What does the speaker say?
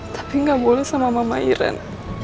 tapi gak boleh sama mama iren